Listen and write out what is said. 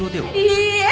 いいえ！